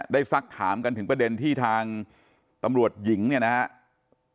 สักถามกันถึงประเด็นที่ทางตำรวจหญิงเนี่ยนะครับ